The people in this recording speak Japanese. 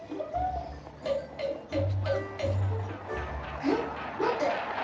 え待って！